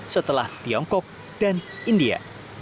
setelah tiongkok dan india